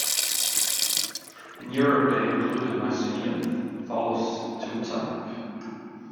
In Europe they include the Mycenean tholos tomb type.